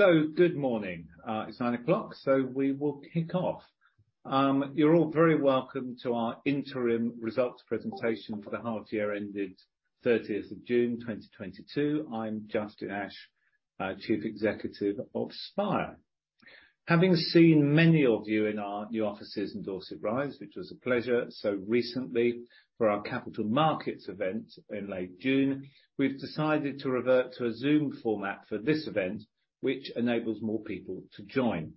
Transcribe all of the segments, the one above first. Good morning. It's 9:00 A.M., so we will kick off. You're all very welcome to our interim results presentation for the half year ended 30th of June 2022. I'm Justin Ash, Chief Executive of Spire. Having seen many of you in our new offices in Dorset Rise, which was a pleasure so recently for our capital markets event in late June, we've decided to revert to a Zoom format for this event, which enables more people to join.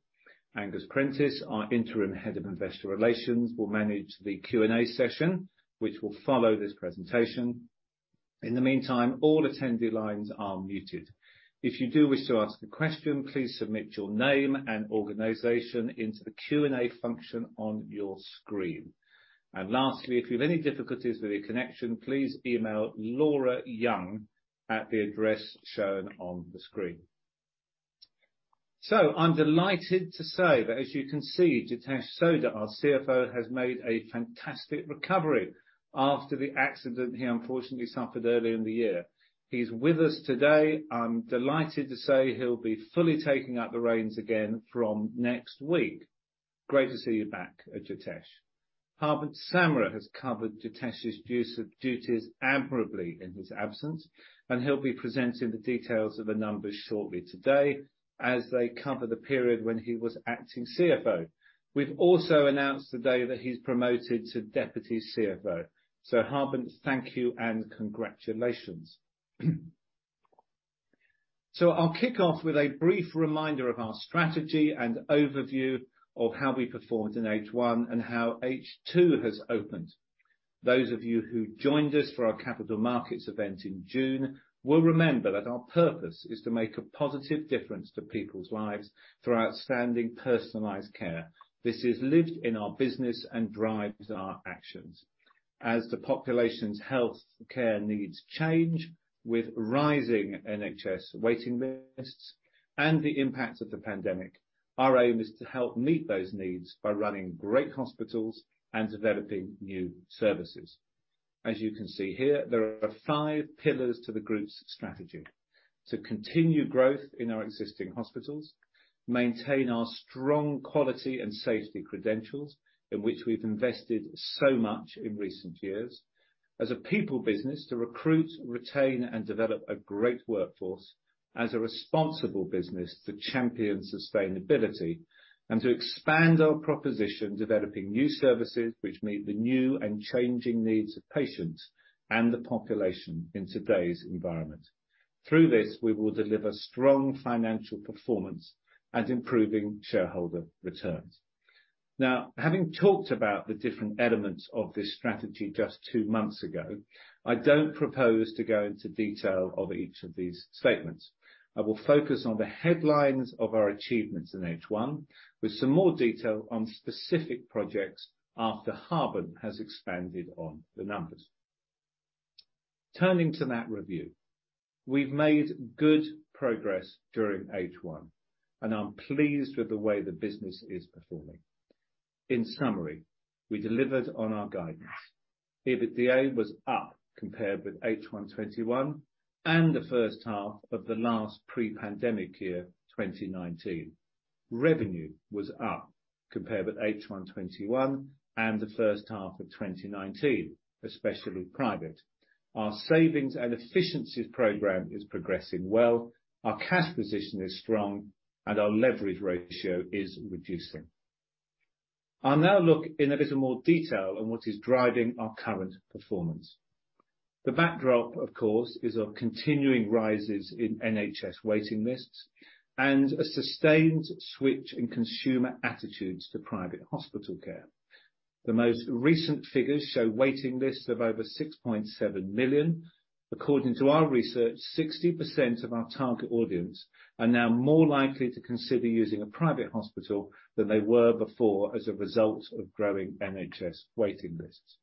Angus Prentice, our Interim Head of Investor Relations, will manage the Q&A session, which will follow this presentation. In the meantime, all attendee lines are muted. If you do wish to ask a question, please submit your name and organization into the Q&A function on your screen. Lastly, if you have any difficulties with your connection, please email Laura Young at the address shown on the screen. I'm delighted to say that, as you can see, Jitesh Sodha, our CFO, has made a fantastic recovery after the accident he unfortunately suffered earlier in the year. He's with us today. I'm delighted to say he'll be fully taking up the reins again from next week. Great to see you back, Jitesh. Harbant Samra has covered Jitesh's duties admirably in his absence, and he'll be presenting the details of the numbers shortly today as they cover the period when he was acting CFO. We've also announced today that he's promoted to deputy CFO. Harbant Samra, thank you and congratulations. I'll kick off with a brief reminder of our strategy and overview of how we performed in H1 and how H2 has opened. Those of you who joined us for our capital markets event in June will remember that our purpose is to make a positive difference to people's lives through outstanding personalized care. This is lived in our business and drives our actions. As the population's health care needs change with rising NHS waiting lists and the impact of the pandemic, our aim is to help meet those needs by running great hospitals and developing new services. As you can see here, there are five pillars to the group's strategy. To continue growth in our existing hospitals, maintain our strong quality and safety credentials, in which we've invested so much in recent years. As a people business, to recruit, retain, and develop a great workforce. As a responsible business, to champion sustainability. To expand our proposition, developing new services which meet the new and changing needs of patients and the population in today's environment. Through this, we will deliver strong financial performance and improving shareholder returns. Now, having talked about the different elements of this strategy just two months ago, I don't propose to go into detail of each of these statements. I will focus on the headlines of our achievements in H1, with some more detail on specific projects after Harbant has expanded on the numbers. Turning to that review, we've made good progress during H1, and I'm pleased with the way the business is performing. In summary, we delivered on our guidance. EBITDA was up compared with H1 2021 and the first half of the last pre-pandemic year, 2019. Revenue was up compared with H1 2021 and the first half of 2019, especially private. Our savings and efficiencies program is progressing well, our cash position is strong, and our leverage ratio is reducing. I'll now look in a little more detail on what is driving our current performance. The backdrop, of course, is of continuing rises in NHS waiting lists and a sustained switch in consumer attitudes to private hospital care. The most recent figures show waiting lists of over 6.7 million. According to our research, 60% of our target audience are now more likely to consider using a private hospital than they were before as a result of growing NHS waiting lists.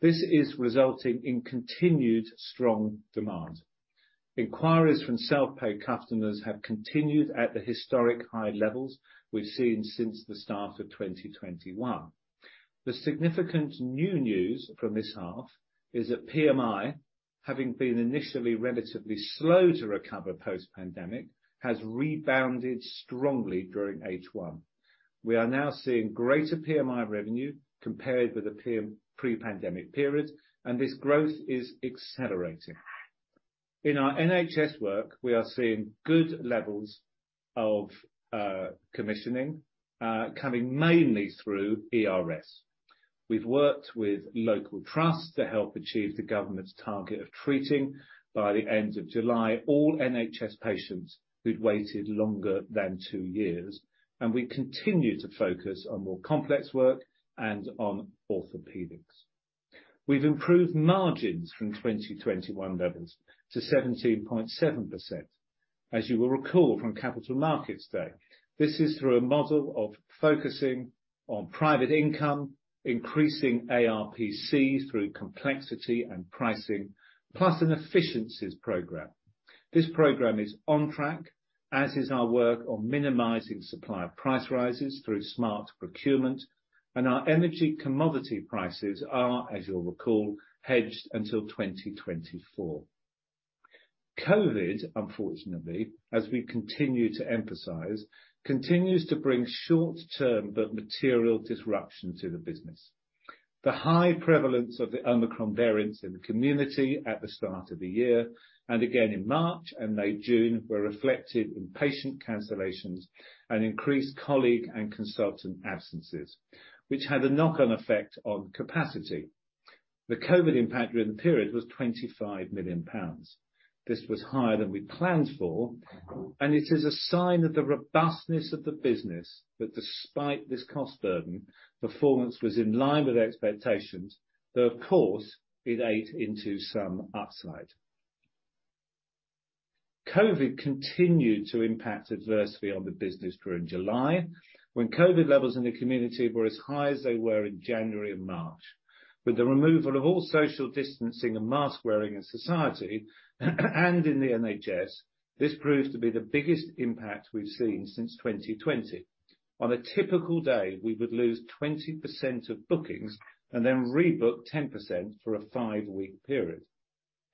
This is resulting in continued strong demand. Inquiries from self-pay customers have continued at the historic high levels we've seen since the start of 2021. The significant new news from this half is that PMI, having been initially relatively slow to recover post-pandemic, has rebounded strongly during H1. We are now seeing greater PMI revenue compared with the pre-pandemic period, and this growth is accelerating. In our NHS work, we are seeing good levels of commissioning coming mainly through ERS. We've worked with local trusts to help achieve the government's target of treating, by the end of July, all NHS patients who'd waited longer than two years, and we continue to focus on more complex work and on orthopedics. We've improved margins from 2021 levels to 17.7%. As you will recall from Capital Markets Day, this is through a model of focusing on private income, increasing ARPCs through complexity and pricing, plus an efficiencies program. This program is on track, as is our work on minimizing supplier price rises through smart procurement, and our energy commodity prices are, as you'll recall, hedged until 2024. COVID, unfortunately, as we continue to emphasize, continues to bring short-term but material disruption to the business. The high prevalence of the Omicron variants in the community at the start of the year, and again in March and late June, were reflected in patient cancellations and increased colleague and consultant absences, which had a knock-on effect on capacity. The COVID impact during the period was 25 million pounds. This was higher than we planned for, and it is a sign of the robustness of the business that despite this cost burden, performance was in line with expectations, though of course, it ate into some upside. COVID continued to impact adversely on the business during July, when COVID levels in the community were as high as they were in January and March. With the removal of all social distancing and mask-wearing in society and in the NHS, this proved to be the biggest impact we've seen since 2020. On a typical day, we would lose 20% of bookings and then rebook 10% for a five-week period.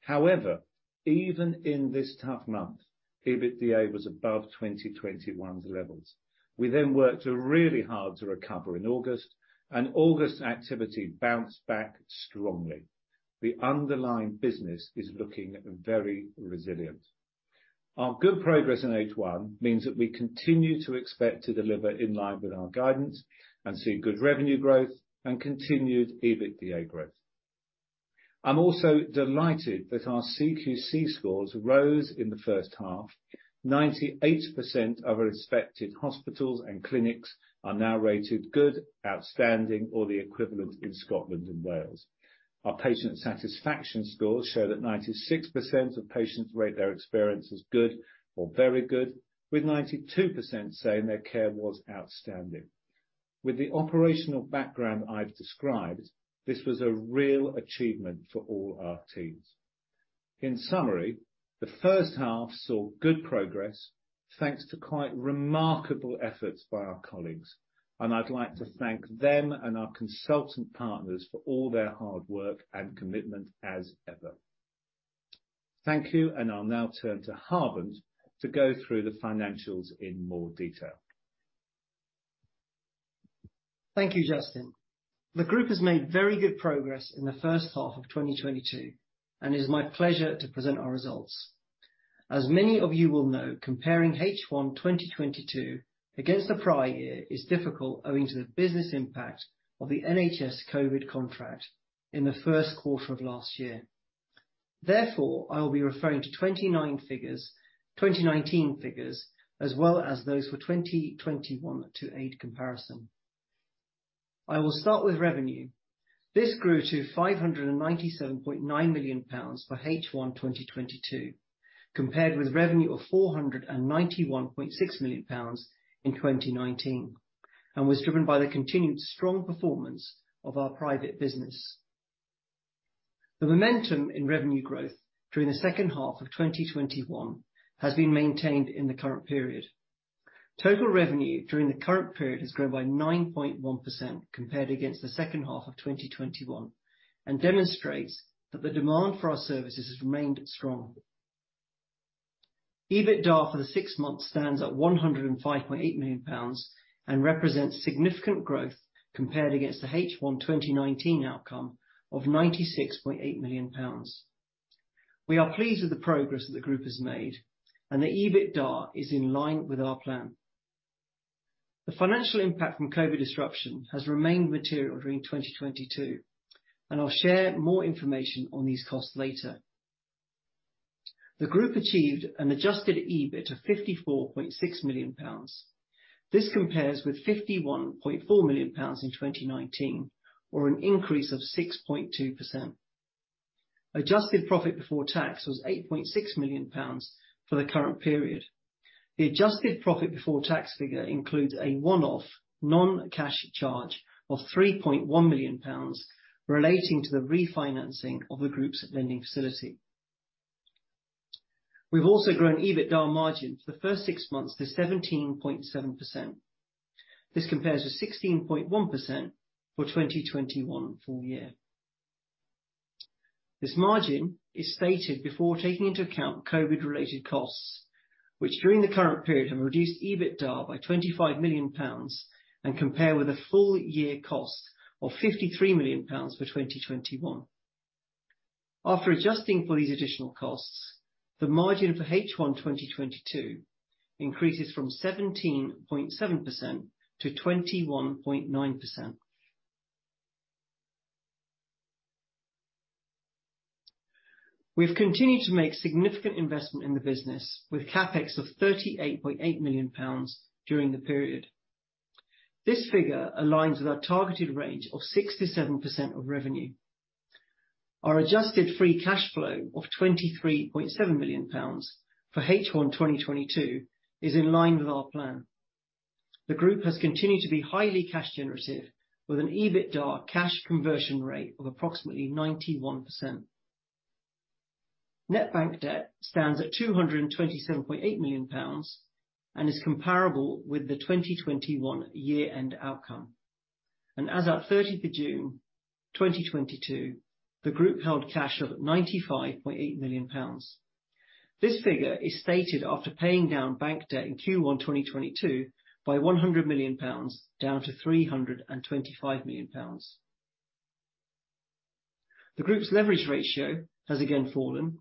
However, even in this tough month, EBITDA was above 2021's levels. We then worked really hard to recover in August, and August activity bounced back strongly. The underlying business is looking very resilient. Our good progress in H1 means that we continue to expect to deliver in line with our guidance and see good revenue growth and continued EBITDA growth. I'm also delighted that our CQC scores rose in the first half. 98% of our inspected hospitals and clinics are now rated good, outstanding, or the equivalent in Scotland and Wales. Our patient satisfaction scores show that 96% of patients rate their experience as good or very good, with 92% saying their care was outstanding. With the operational background I've described, this was a real achievement for all our teams. In summary, the first half saw good progress, thanks to quite remarkable efforts by our colleagues, and I'd like to thank them and our consultant partners for all their hard work and commitment as ever. Thank you, and I'll now turn to Harbant to go through the financials in more detail. Thank you, Justin. The group has made very good progress in the first half of 2022, and it is my pleasure to present our results. As many of you will know, comparing H1 2022 against the prior year is difficult owing to the business impact of the NHS COVID contract in the first quarter of last year. Therefore, I will be referring to 2019 figures as well as those for 2021 to aid comparison. I will start with revenue. This grew to 597.9 million pounds for H1 2022, compared with revenue of 491.6 million pounds in 2019, and was driven by the continued strong performance of our private business. The momentum in revenue growth during the second half of 2021 has been maintained in the current period. Total revenue during the current period has grown by 9.1% compared against the second half of 2021 and demonstrates that the demand for our services has remained strong. EBITDA for the six months stands at 105.8 million pounds and represents significant growth compared against the H1 2019 outcome of GBP 96.8 million. We are pleased with the progress that the group has made and the EBITDA is in line with our plan. The financial impact from COVID disruption has remained material during 2022, and I'll share more information on these costs later. The group achieved an adjusted EBIT of 54.6 million pounds. This compares with 51.4 million pounds in 2019, or an increase of 6.2%. Adjusted profit before tax was 8.6 million pounds for the current period. The adjusted profit before tax figure includes a one-off non-cash charge of 3.1 million pounds relating to the refinancing of the group's lending facility. We've also grown EBITDA margin for the first six months to 17.7%. This compares with 16.1% for 2021 full year. This margin is stated before taking into account COVID-related costs, which during the current period have reduced EBITDA by 25 million pounds and compare with a full year cost of 53 million pounds for 2021. After adjusting for these additional costs, the margin for H1 2022 increases from 17.7% to 21.9%. We've continued to make significant investment in the business with CapEx of 38.8 million pounds during the period. This figure aligns with our targeted range of 6%-7% of revenue. Our adjusted free cash flow of 23.7 million pounds for H1 2022 is in line with our plan. The group has continued to be highly cash generative with an EBITDA cash conversion rate of approximately 91%. Net bank debt stands at 227.8 million pounds and is comparable with the 2021 year-end outcome. As at 30th June 2022, the group held cash of 95.8 million pounds. This figure is stated after paying down bank debt in Q1 2022 by 100 million pounds, down to 325 million pounds. The group's leverage ratio has again fallen.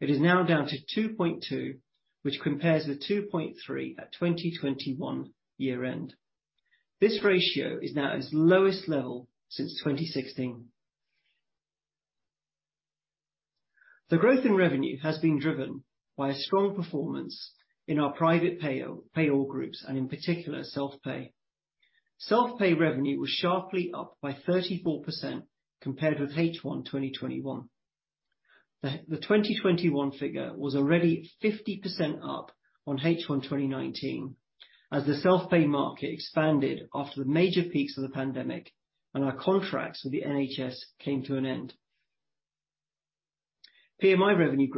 It is now down to 2.2%, which compares with 2.3% at 2021 year-end. This ratio is now at its lowest level since 2016. The growth in revenue has been driven by a strong performance in our private payor groups and in particular, self-pay. Self-pay revenue was sharply up by 34% compared with H1 2021. The 2021 figure was already 50% up on H1 2019 as the self-pay market expanded after the major peaks of the pandemic and our contracts with the NHS came to an end. PMI revenue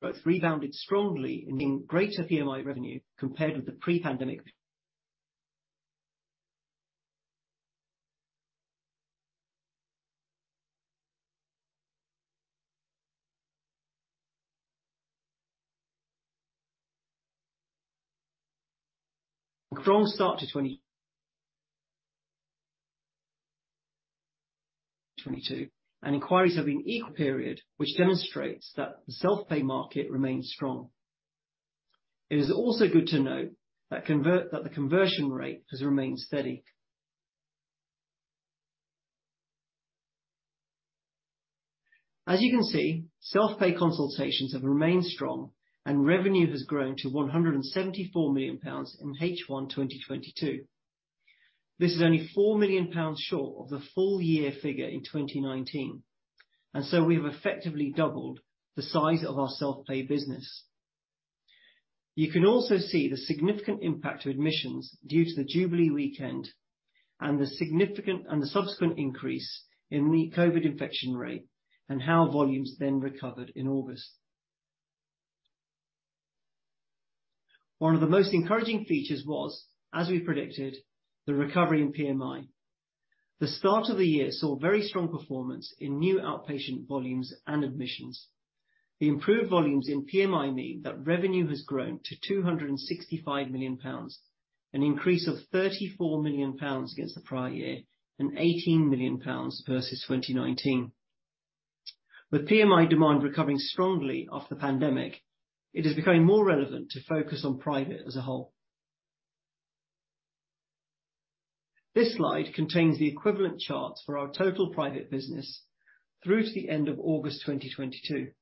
both rebounded strongly, meaning greater PMI revenue compared with the pre-pandemic. A strong start to 2022, and inquiries have been equal to the prior period, which demonstrates that the self-pay market remains strong. It is also good to note that the conversion rate has remained steady. As you can see, self-pay consultations have remained strong and revenue has grown to 174 million pounds in H1 2022. This is only 4 million pounds short of the full year figure in 2019, and so we have effectively doubled the size of our self-pay business. You can also see the significant impact to admissions due to the Jubilee weekend and the subsequent increase in the COVID infection rate and how volumes then recovered in August. One of the most encouraging features was, as we predicted, the recovery in PMI. The start of the year saw very strong performance in new outpatient volumes and admissions. The improved volumes in PMI mean that revenue has grown to 265 million pounds, an increase of 34 million pounds against the prior year, and 18 million pounds versus 2019. With PMI demand recovering strongly after the pandemic, it is becoming more relevant to focus on private as a whole. This slide contains the equivalent charts for our total private business through to the end of August 2022.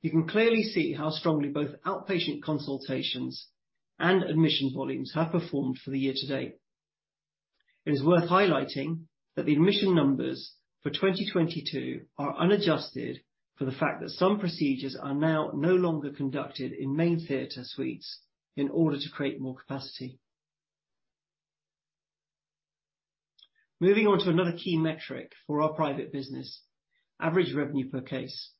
You can clearly see how strongly both outpatient consultations and admission volumes have performed for the year-to-date. It is worth highlighting that the admission numbers for 2022 are unadjusted for the fact that some procedures are now no longer conducted in main theater suites in order to create more capacity. Moving on to another key metric for our private business, average revenue per case.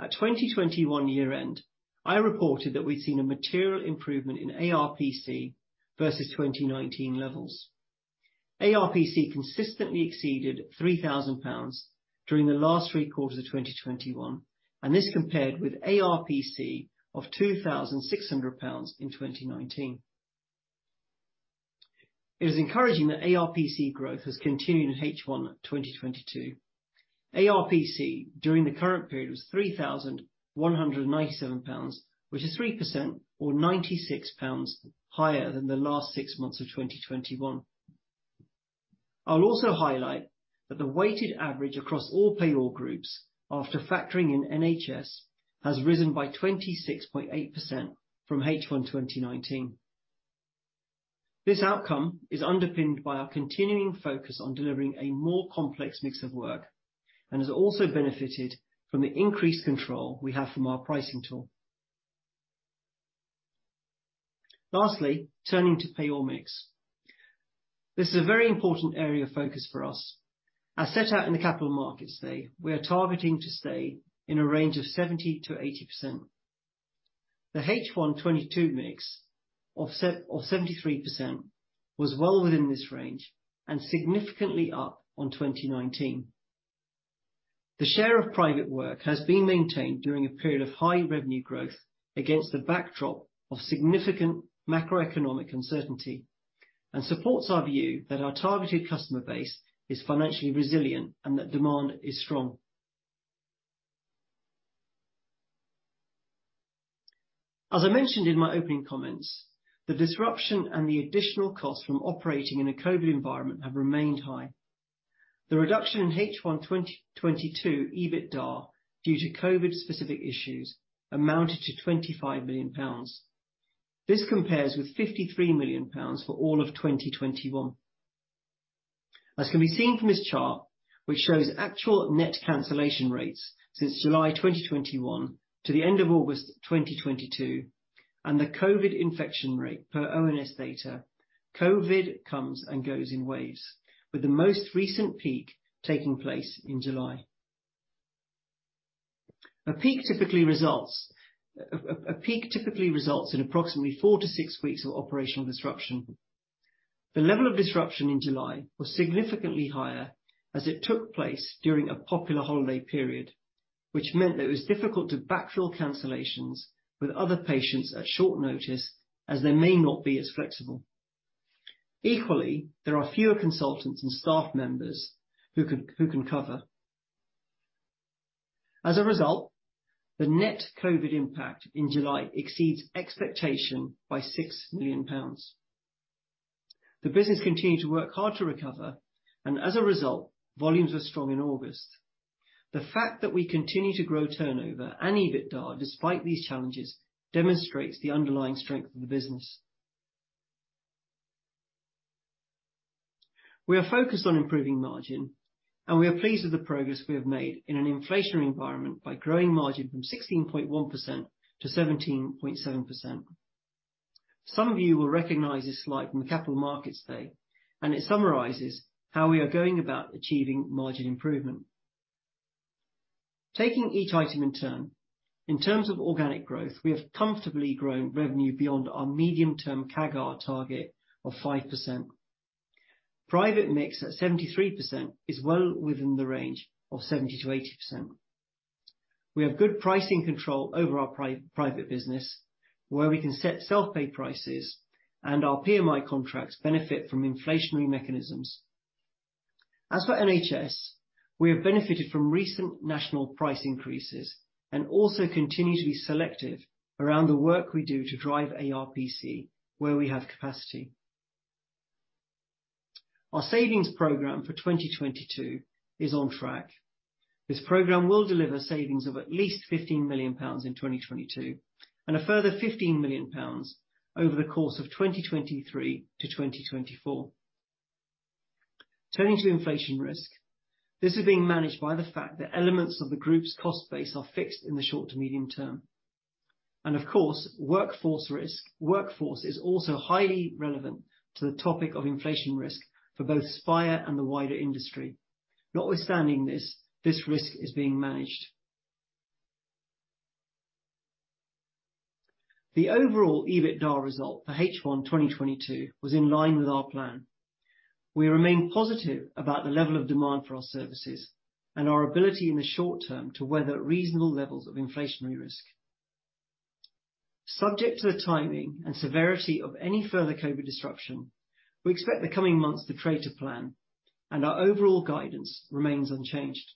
At 2021 year end, I reported that we'd seen a material improvement in ARPC versus 2019 levels. ARPC consistently exceeded 3,000 pounds during the last three quarters of 2021, and this compared with ARPC of 2,600 pounds in 2019. It is encouraging that ARPC growth has continued in H1 2022. ARPC during the current period was 3,197 pounds which is 3% or 96 pounds higher than the last six months of 2021. I'll also highlight that the weighted average across all payor groups after factoring in NHS has risen by 26.8% from H1 2019. This outcome is underpinned by our continuing focus on delivering a more complex mix of work and has also benefited from the increased control we have from our pricing tool. Lastly, turning to payor mix. This is a very important area of focus for us. As set out in the capital markets day, we are targeting to stay in a range of 70%-80%. The H1 2022 mix of 73% was well within this range and significantly up on 2019. The share of private work has been maintained during a period of high revenue growth against the backdrop of significant macroeconomic uncertainty and supports our view that our targeted customer base is financially resilient and that demand is strong. As I mentioned in my opening comments, the disruption and the additional costs from operating in a COVID environment have remained high. The reduction in H1 2022 EBITDA due to COVID specific issues amounted to 25 million pounds. This compares with 53 million pounds for all of 2021. As can be seen from this chart, which shows actual net cancellation rates since July 2021 to the end of August 2022 and the COVID infection rate per ONS data, COVID comes and goes in waves, with the most recent peak taking place in July. A peak typically results in approximately four to six weeks of operational disruption. The level of disruption in July was significantly higher as it took place during a popular holiday period, which meant that it was difficult to backfill cancellations with other patients at short notice as they may not be as flexible. Equally, there are fewer consultants and staff members who can cover. As a result, the net COVID impact in July exceeds expectation by 6 million pounds. The business continued to work hard to recover, and as a result, volumes were strong in August. The fact that we continue to grow turnover and EBITDA despite these challenges demonstrates the underlying strength of the business. We are focused on improving margin, and we are pleased with the progress we have made in an inflationary environment by growing margin from 16.1%-17.7%. Some of you will recognize this slide from the Capital Markets Day, and it summarizes how we are going about achieving margin improvement. Taking each item in turn, in terms of organic growth, we have comfortably grown revenue beyond our medium term CAGR target of 5%. Private mix at 73% is well within the range of 70%-80%. We have good pricing control over our private business, where we can set self-pay prices and our PMI contracts benefit from inflationary mechanisms. As for NHS, we have benefited from recent national price increases and also continue to be selective around the work we do to drive ARPC where we have capacity. Our savings program for 2022 is on track. This program will deliver savings of at least 15 million pounds in 2022 and a further 15 million pounds over the course of 2023 to 2024. Turning to inflation risk, this is being managed by the fact that elements of the group's cost base are fixed in the short to medium term. Of course, workforce risk. Workforce is also highly relevant to the topic of inflation risk for both Spire and the wider industry. Notwithstanding this risk is being managed. The overall EBITDA result for H1 2022 was in line with our plan. We remain positive about the level of demand for our services and our ability in the short term to weather reasonable levels of inflationary risk. Subject to the timing and severity of any further COVID disruption, we expect the coming months to trade to plan and our overall guidance remains unchanged.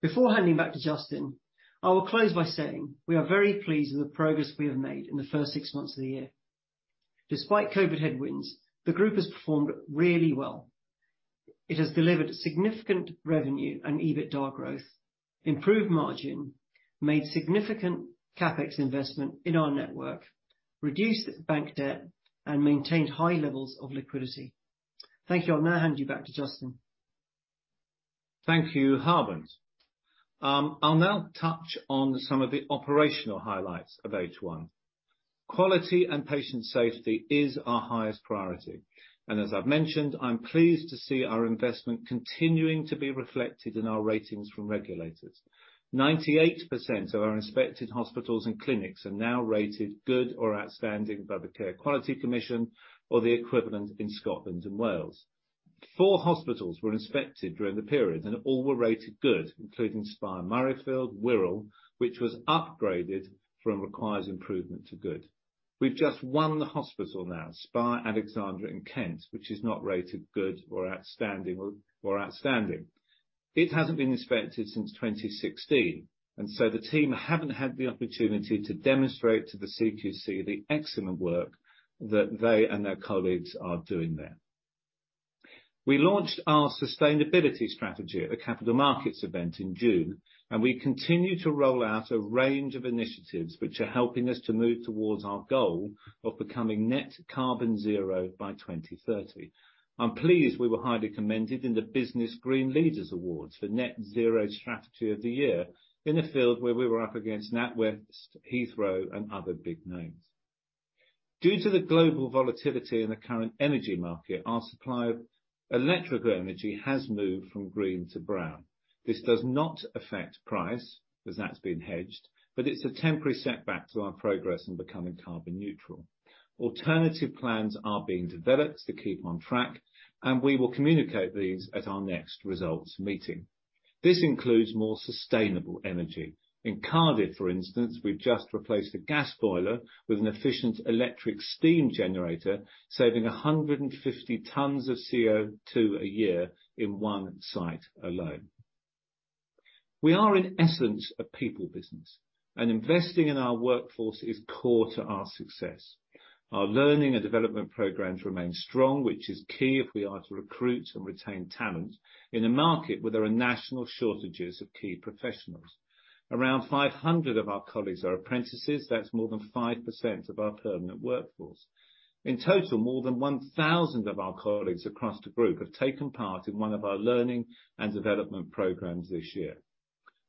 Before handing back to Justin, I will close by saying we are very pleased with the progress we have made in the first six months of the year. Despite COVID headwinds, the group has performed really well. It has delivered significant revenue and EBITDA growth, improved margin, made significant CapEx investment in our network, reduced bank debt and maintained high levels of liquidity. Thank you. I'll now hand you back to Justin. Thank you, Harbant. I'll now touch on some of the operational highlights of H1. Quality and patient safety is our highest priority, and as I've mentioned, I'm pleased to see our investment continuing to be reflected in our ratings from regulators. 98% of our inspected hospitals and clinics are now rated good or outstanding by the Care Quality Commission or the equivalent in Scotland and Wales. Four hospitals were inspected during the period and all were rated good, including Spire Murrayfield, Wirral, which was upgraded from Requires Improvement to Good. We've just one hospital now, Spire Alexandra in Kent, which is not rated good or outstanding. It hasn't been inspected since 2016 and so the team haven't had the opportunity to demonstrate to the CQC the excellent work that they and their colleagues are doing there. We launched our sustainability strategy at the capital markets event in June, and we continue to roll out a range of initiatives which are helping us to move towards our goal of becoming net carbon zero by 2030. I'm pleased we were highly commended in the BusinessGreen Leaders Awards for Net Zero Strategy of the Year in a field where we were up against NatWest, Heathrow and other big names. Due to the global volatility in the current energy market, our supply of electric energy has moved from green to brown. This does not affect price, as that's been hedged, but it's a temporary setback to our progress in becoming carbon neutral. Alternative plans are being developed to keep on track and we will communicate these at our next results meeting. This includes more sustainable energy. In Cardiff for instance, we've just replaced a gas boiler with an efficient electric steam generator, saving 150 tons of CO2 a year in one site alone. We are in essence a people business and investing in our workforce is core to our success. Our learning and development programs remain strong, which is key if we are to recruit and retain talent in a market where there are national shortages of key professionals. Around 500 of our colleagues are apprentices. That's more than 5% of our permanent workforce. In total, more than 1,000 of our colleagues across the group have taken part in one of our learning and development programs this year.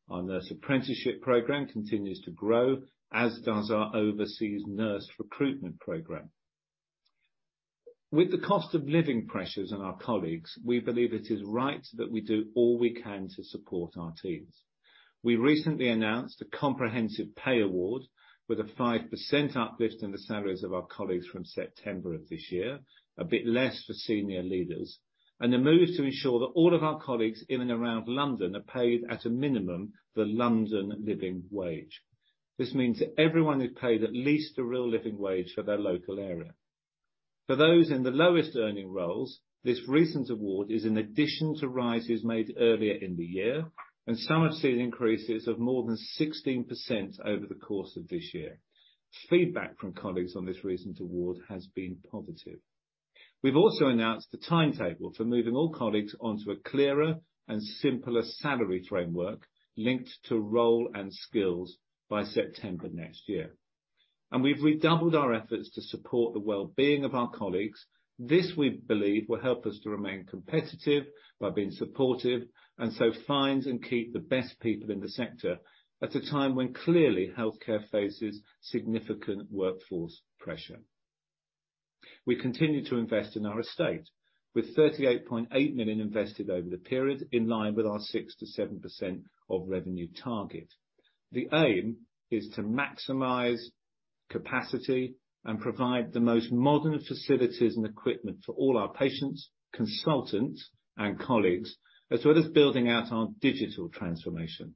Our nurse apprenticeship program continues to grow, as does our overseas nurse recruitment program. With the cost of living pressures on our colleagues, we believe it is right that we do all we can to support our teams. We recently announced a comprehensive pay award with a 5% uplift in the salaries of our colleagues from September of this year, a bit less for senior leaders, and the move to ensure that all of our colleagues in and around London are paid at a minimum the London Living Wage. This means that everyone is paid at least the real Living Wage for their local area. For those in the lowest earning roles, this recent award is in addition to rises made earlier in the year, and some have seen increases of more than 16% over the course of this year. Feedback from colleagues on this recent award has been positive. We've also announced the timetable for moving all colleagues onto a clearer and simpler salary framework linked to role and skills by September next year. We've redoubled our efforts to support the well-being of our colleagues. This, we believe, will help us to remain competitive by being supportive and so find and keep the best people in the sector at a time when clearly healthcare faces significant workforce pressure. We continue to invest in our estate with 38.8 million invested over the period in line with our 6%-7% of revenue target. The aim is to maximize capacity and provide the most modern facilities and equipment for all our patients, consultants, and colleagues, as well as building out our digital transformation.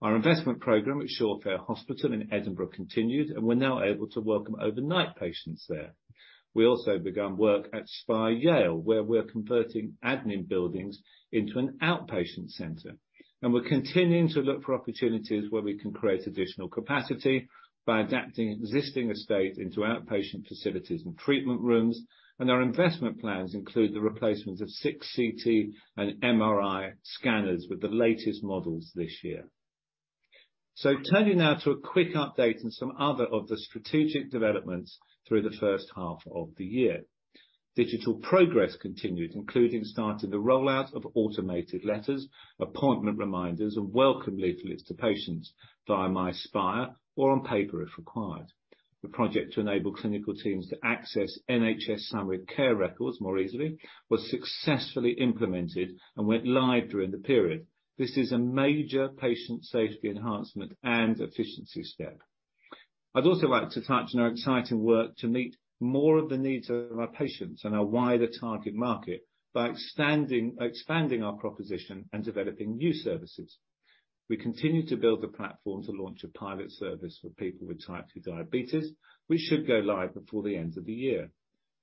Our investment program at Shawfair Hospital in Edinburgh continued, and we're now able to welcome overnight patients there. We also begun work at Spire Yale, where we're converting admin buildings into an outpatient center. We're continuing to look for opportunities where we can create additional capacity by adapting existing estate into outpatient facilities and treatment rooms. Our investment plans include the replacement of six CT and MRI scanners with the latest models this year. Turning now to a quick update on some other of the strategic developments through the first half of the year. Digital progress continued, including starting the rollout of automated letters, appointment reminders, and welcome leaflets to patients via MySpire or on paper if required. The project to enable clinical teams to access NHS summary care records more easily was successfully implemented and went live during the period. This is a major patient safety enhancement and efficiency step. I'd also like to touch on our exciting work to meet more of the needs of our patients and our wider target market by expanding our proposition and developing new services. We continue to build a platform to launch a pilot service for people with type two diabetes, which should go live before the end of the year.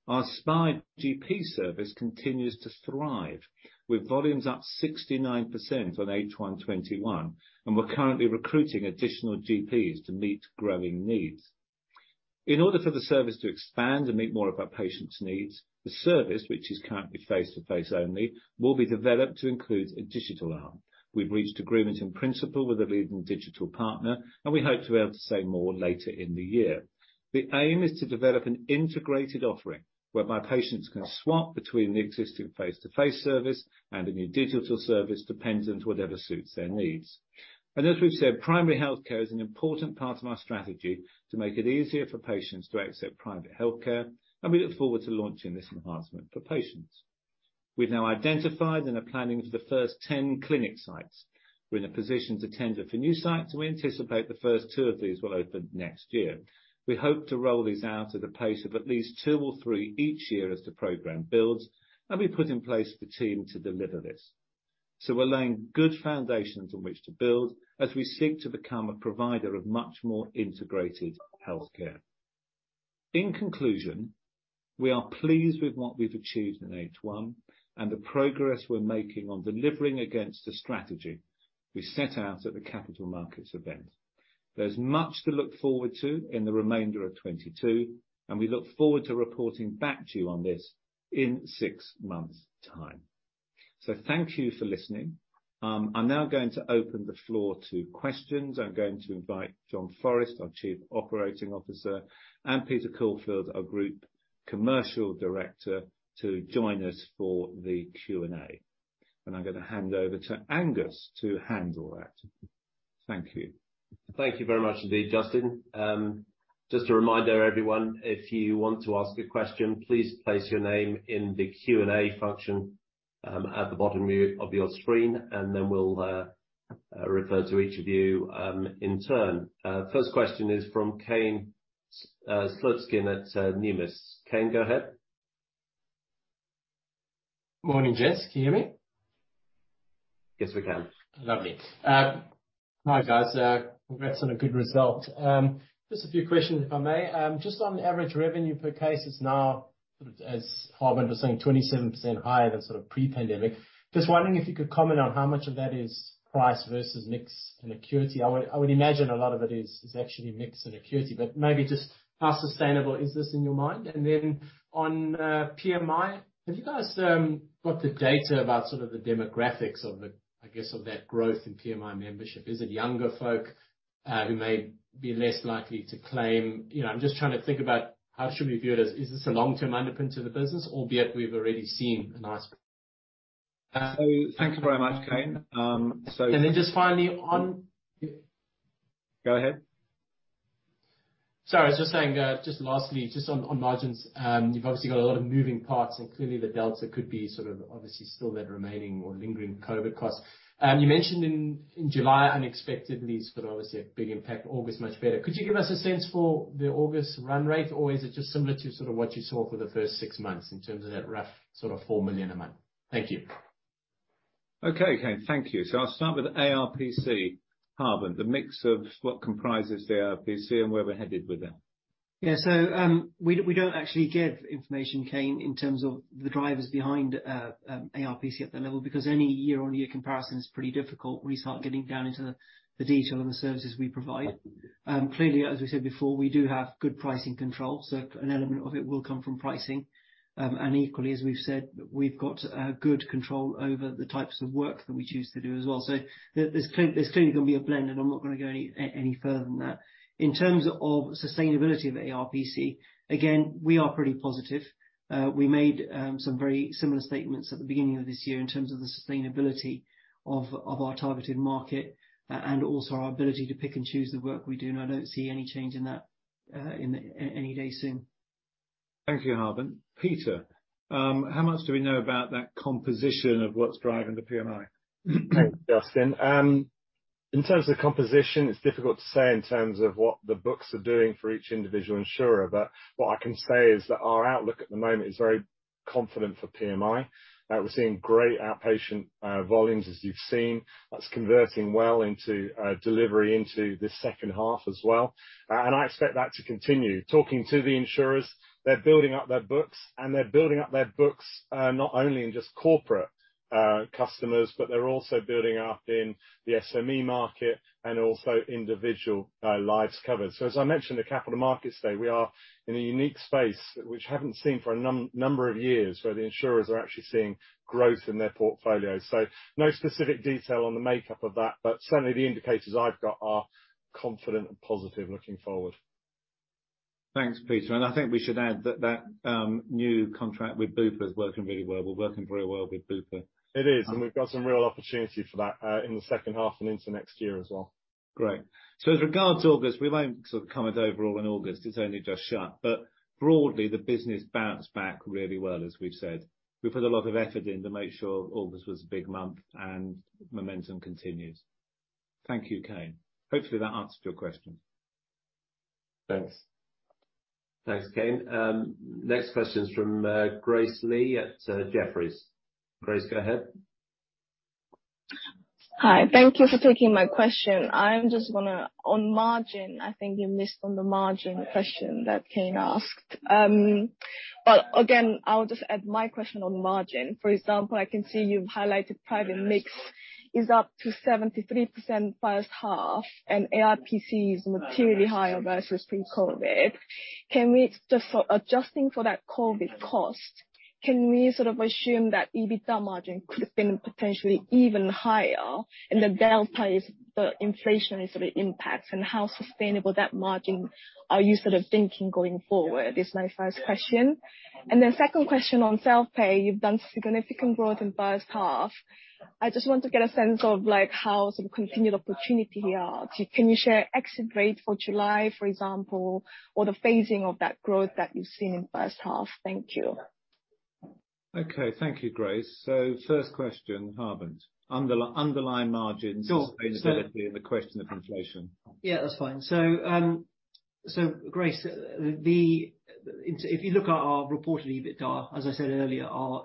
Our Spire GP service continues to thrive, with volumes up 69% on H1 2021, and we're currently recruiting additional GPs to meet growing needs. In order for the service to expand and meet more of our patients' needs, the service, which is currently face-to-face only, will be developed to include a digital arm. We've reached agreement in principle with a leading digital partner, and we hope to be able to say more later in the year. The aim is to develop an integrated offering whereby patients can swap between the existing face-to-face service and the new digital service, dependent whatever suits their needs. As we've said, primary healthcare is an important part of our strategy to make it easier for patients to access private healthcare, and we look forward to launching this enhancement for patients. We've now identified and are planning for the first 10 clinic sites. We're in a position to tender for new sites, and we anticipate the first two of these will open next year. We hope to roll these out at a pace of at least two or three each year as the program builds, and we put in place the team to deliver this. We're laying good foundations on which to build as we seek to become a provider of much more integrated healthcare. In conclusion, we are pleased with what we've achieved in H1 and the progress we're making on delivering against the strategy we set out at the capital markets event. There's much to look forward to in the remainder of 2022, and we look forward to reporting back to you on this in six months' time. Thank you for listening. I'm now going to open the floor to questions. I'm going to invite John Forrest, our Chief Operating Officer, and Peter Corfield, our Group Commercial Director, to join us for the Q&A. I'm gonna hand over to Angus to handle that. Thank you. Thank you very much indeed, Justin. Just a reminder, everyone, if you want to ask a question, please place your name in the Q&A function at the bottom of your screen, and then we'll refer to each of you in turn. First question is from Kane Slutzkin at Numis. Kane, go ahead. Morning, Jess. Can you hear me? Yes, we can. Lovely. Hi, guys. Congrats on a good result. Just a few questions if I may. Just on the average revenue per case is now, sort of as Harbant Samra was saying, 27% higher than sort of pre-pandemic. Just wondering if you could comment on how much of that is price versus mix and acuity. I would imagine a lot of it is actually mix and acuity, but maybe just how sustainable is this in your mind? On PMI, have you guys got the data about sort of the demographics of the, I guess, of that growth in PMI membership? Is it younger folk who may be less likely to claim? You know, I'm just trying to think about how should we view it as, is this a long-term underpin to the business? Thank you very much, Kane. Just finally on. Go ahead. Sorry. I was just saying just lastly, just on margins, you've obviously got a lot of moving parts and clearly the delta could be sort of obviously still that remaining or lingering COVID cost. You mentioned in July unexpectedly, sort of obviously a big impact. August much better. Could you give us a sense for the August run rate or is it just similar to sort of what you saw for the first six months in terms of that rough sort of 4 million a month? Thank you. Okay, Kane. Thank you. I'll start with ARPC, Harbant. The mix of what comprises the ARPC and where we're headed with it. Yeah. We don't actually give information, Kane, in terms of the drivers behind ARPC at that level because any year-on-year comparison is pretty difficult when you start getting down into the detail on the services we provide. Clearly, as we said before, we do have good pricing control, so an element of it will come from pricing. Equally, as we've said, we've got good control over the types of work that we choose to do as well. There's clearly gonna be a blend, and I'm not gonna go any further than that. In terms of sustainability of ARPC, again, we are pretty positive. We made some very similar statements at the beginning of this year in terms of the sustainability of our targeted market, and also our ability to pick and choose the work we do, and I don't see any change in that in any day soon. Thank you, Harbant. Peter, how much do we know about that composition of what's driving the PMI? Thanks, Justin. In terms of composition, it's difficult to say in terms of what the books are doing for each individual insurer, but what I can say is that our outlook at the moment is very confident for PMI. We're seeing great outpatient volumes, as you've seen. That's converting well into delivery into the second half as well. And I expect that to continue. Talking to the insurers, they're building up their books, not only in just corporate customers, but they're also building up in the SME market and also individual lives covered. As I mentioned at Capital Markets Day, we are in a unique space which we haven't seen for a number of years, where the insurers are actually seeing growth in their portfolio. No specific detail on the makeup of that, but certainly the indicators I've got are confident and positive looking forward. Thanks, Peter. I think we should add that new contract with Bupa is working really well. We're working very well with Bupa. It is, and we've got some real opportunity for that, in the second half and into next year as well. Great. With regards to August, we won't sort of comment overall on August, it's only just shut. Broadly, the business bounced back really well, as we've said. We put a lot of effort in to make sure August was a big month and momentum continues. Thank you, Kane. Hopefully that answered your question. Thanks. Thanks, Kane. Next question is from Grace Lee at Jefferies. Grace, go ahead. Hi. Thank you for taking my question. On margin, I think you missed on the margin question that Kane asked. Again, I'll just add my question on margin. For example, I can see you've highlighted private mix is up to 73% first half and ARPC is materially higher versus pre-COVID. Can we just for adjusting for that COVID cost, can we sort of assume that EBITDA margin could have been potentially even higher and the delta is the inflationary sort of impact and how sustainable that margin are you sort of thinking going forward is my first question. Then second question on self-pay, you've done significant growth in first half. I just want to get a sense of like how sort of continued opportunity here. Can you share exit rate for July, for example, or the phasing of that growth that you've seen in first half? Thank you. Okay. Thank you, Grace. First question, Harbant. Underlying margins- Sure. ...sustainability and the question of inflation. Yeah, that's fine. Grace, if you look at our reported EBITDA, as I said earlier, our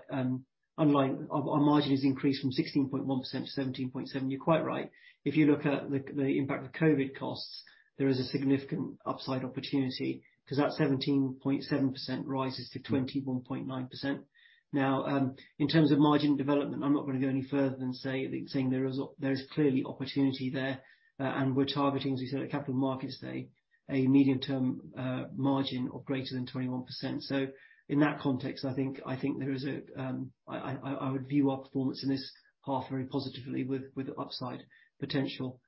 underlying margin has increased from 16.1%-17.7%. You're quite right. If you look at the impact of COVID costs, there is a significant upside opportunity because that 17.7% rises to 21.9%. Now, in terms of margin development, I'm not gonna go any further than saying there is clearly opportunity there, and we're targeting, as we said at Capital Markets Day, a medium-term margin of greater than 21%. In that context, I think there is a I would view our performance in this half very positively with upside potential.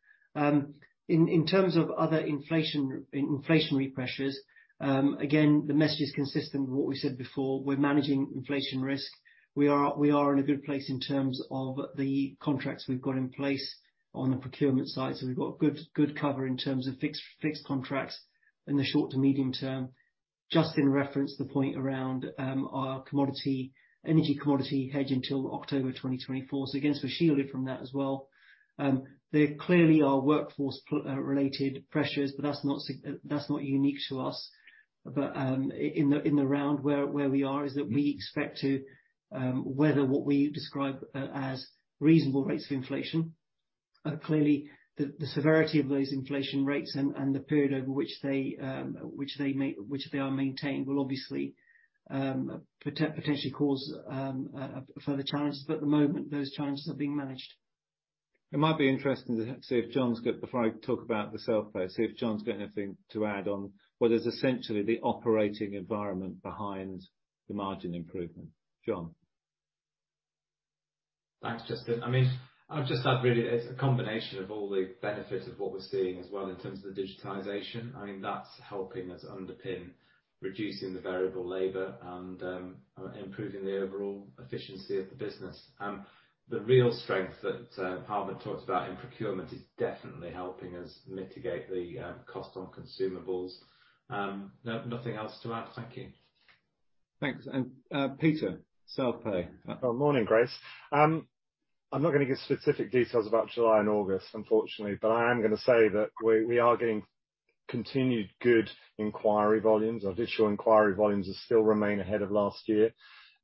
In terms of other inflation, inflationary pressures, again, the message is consistent with what we said before. We're managing inflation risk. We are in a good place in terms of the contracts we've got in place on the procurement side. We've got good cover in terms of fixed contracts in the short to medium term. Justin referenced the point around our energy commodity hedge until October 2024. Again, we're shielded from that as well. There clearly are workforce-related pressures, but that's not unique to us. In the round where we are is that we expect to weather what we describe as reasonable rates of inflation. Clearly, the severity of those inflation rates and the period over which they are maintained will obviously potentially cause further challenges, but at the moment, those challenges are being managed. It might be interesting. Before I talk about the self-pay, see if John's got anything to add on what is essentially the operating environment behind the margin improvement. John? Thanks, Justin. I mean, I've just had really a combination of all the benefits of what we're seeing as well in terms of the digitization. I mean, that's helping us underpin reducing the variable labor and improving the overall efficiency of the business. The real strength that Harbant talked about in procurement is definitely helping us mitigate the cost on consumables. No, nothing else to add. Thank you. Thanks. Peter, self-pay. Good morning, Grace. I'm not gonna give specific details about July and August, unfortunately, but I am gonna say that we are getting continued good inquiry volumes. Our digital inquiry volumes still remain ahead of last year.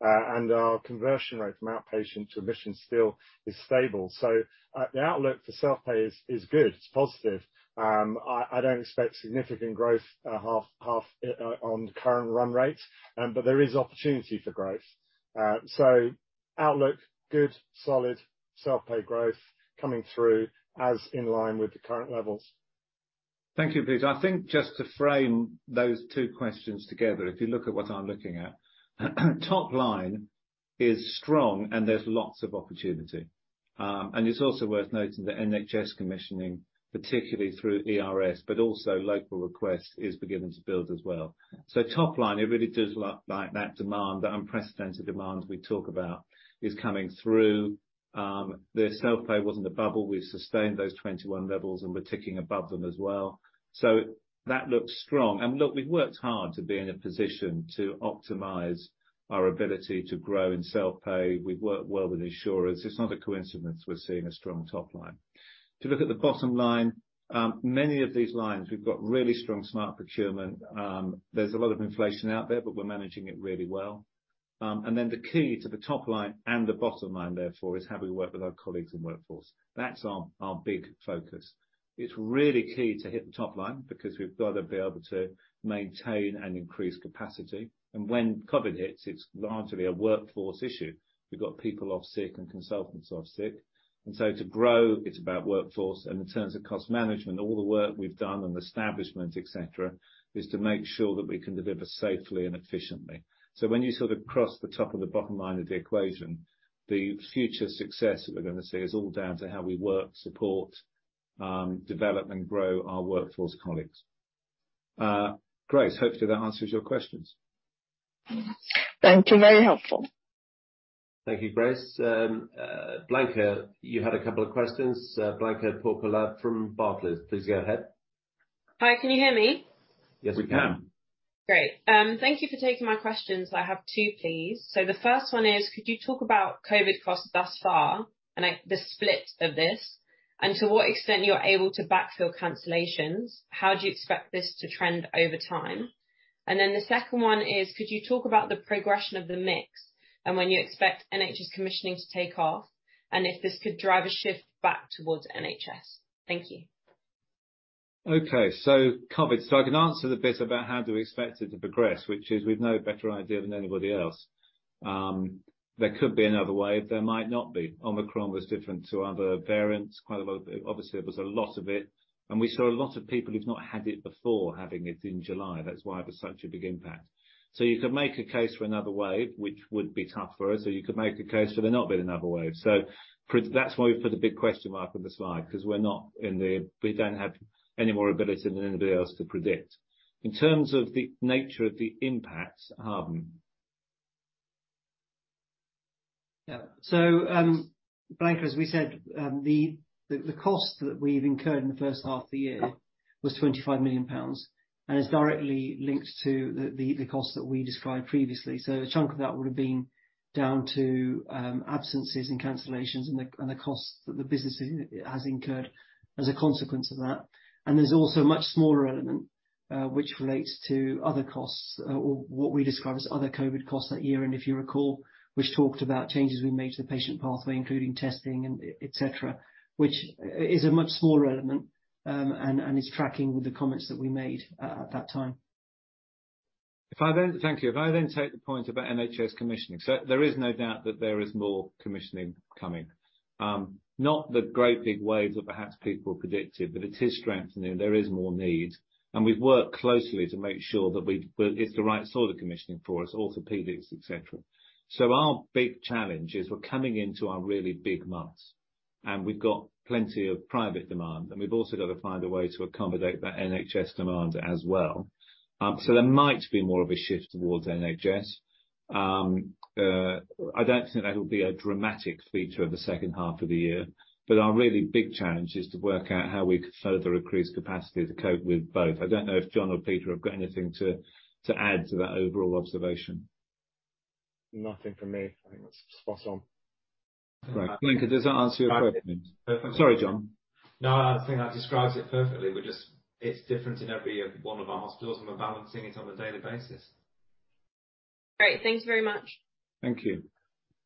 Our conversion rate from outpatient to admission still is stable. The outlook for self-pay is good, it's positive. I don't expect significant growth half on the current run rate, but there is opportunity for growth. Outlook good, solid self-pay growth coming through as in line with the current levels. Thank you, Peter. I think just to frame those two questions together, if you look at what I'm looking at, top line is strong and there's lots of opportunity. It's also worth noting that NHS commissioning, particularly through ERS, but also local requests, is beginning to build as well. Top line, it really does look like that demand, that unprecedented demand we talk about is coming through. The self-pay wasn't a bubble. We've sustained those 2021 levels, and we're ticking above them as well. That looks strong. Look, we've worked hard to be in a position to optimize our ability to grow in self-pay. We've worked well with insurers. It's not a coincidence we're seeing a strong top line. To look at the bottom line, many of these lines, we've got really strong smart procurement. There's a lot of inflation out there, but we're managing it really well. The key to the top line and the bottom line therefore is how we work with our colleagues and workforce. That's our big focus. It's really key to hit the top line because we've got to be able to maintain and increase capacity. When COVID hits, it's largely a workforce issue. We've got people off sick and consultants off sick, and so to grow it's about workforce. In terms of cost management, all the work we've done and establishment, et cetera, is to make sure that we can deliver safely and efficiently. When you sort of cross the top of the bottom line of the equation, the future success that we're gonna see is all down to how we work, support, develop and grow our workforce colleagues. Grace, hopefully that answers your questions. Thank you. Very helpful. Thank you, Grace. Blanka, you had a couple of questions. Blanka Porkolab from Barclays. Please go ahead. Hi, can you hear me? Yes, we can. Great. Thank you for taking my questions. I have two, please. The first one is, could you talk about COVID costs thus far and the split of this, and to what extent you're able to backfill cancellations? How do you expect this to trend over time? The second one is, could you talk about the progression of the mix and when you expect NHS commissioning to take off, and if this could drive a shift back towards NHS? Thank you. Okay. COVID. I can answer the bit about how do we expect it to progress, which is we've no better idea than anybody else. There could be another wave, there might not be. Omicron was different to other variants quite a lot. Obviously, there was a lot of it, and we saw a lot of people who've not had it before having it in July. That's why it was such a big impact. You could make a case for another wave, which would be tough for us, or you could make a case for there not being another wave. That's why we've put a big question mark on the slide, 'cause we don't have any more ability than anybody else to predict. In terms of the nature of the impact, Harbant Samra. Yeah, Blanka, as we said, the cost that we've incurred in the first half of the year was 25 million pounds and is directly linked to the costs that we described previously. A chunk of that would have been down to absences and cancellations and the costs that the business has incurred as a consequence of that. There's also a much smaller element, which relates to other costs or what we describe as other COVID costs that year, and if you recall, which talked about changes we made to the patient pathway, including testing and et cetera, which is a much smaller element, and is tracking with the comments that we made at that time. Thank you. If I then take the point about NHS commissioning. There is no doubt that there is more commissioning coming, not the great big waves that perhaps people predicted, but it is strengthening. There is more need, and we've worked closely to make sure that it's the right sort of commissioning for us, orthopedics, et cetera. Our big challenge is we're coming into our really big months and we've got plenty of private demand, and we've also got to find a way to accommodate that NHS demand as well. There might be more of a shift towards NHS. I don't think that'll be a dramatic feature of the second half of the year. Our really big challenge is to work out how we can further increase capacity to cope with both. I don't know if John or Peter have got anything to add to that overall observation. Nothing from me. I think that's spot on. Great. Blanka, does that answer your question? Perfectly. Sorry, John. No, I think that describes it perfectly. It's different in every one of our hospitals, and we're balancing it on a daily basis. Great. Thanks very much. Thank you.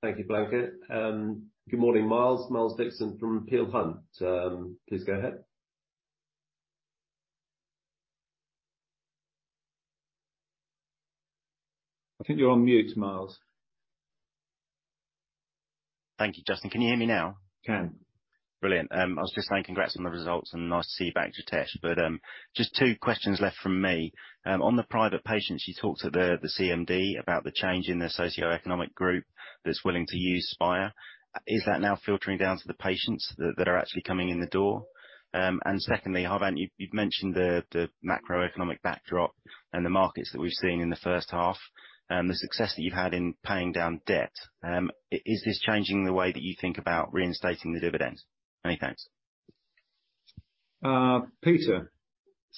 Thank you, Blanka. Good morning, Miles. Miles Dixon from Peel Hunt. Please go ahead. I think you're on mute, Miles. Thank you, Justin. Can you hear me now? Can. Brilliant. I was just saying congrats on the results and nice to see you back, Jitesh. Just two questions left from me. On the private patients, you talked to the CMD about the change in the socioeconomic group that's willing to use Spire. Is that now filtering down to the patients that are actually coming in the door? Secondly, Harbant, you've mentioned the macroeconomic backdrop and the markets that we've seen in the first half, the success that you've had in paying down debt. Is this changing the way that you think about reinstating the dividend? Many thanks. Peter,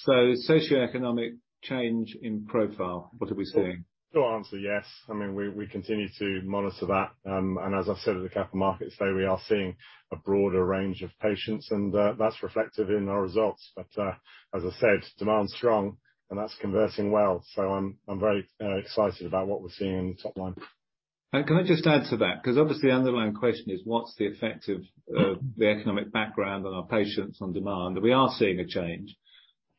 socioeconomic change in profile, what are we seeing? Short answer, yes. I mean, we continue to monitor that. As I've said at the Capital Markets Day, we are seeing a broader range of patients, and that's reflective in our results. As I said, demand's strong, and that's converting well, so I'm very excited about what we're seeing in the top line. Can I just add to that? 'Cause obviously, the underlying question is what's the effect of, the economic background on our patients on demand? We are seeing a change.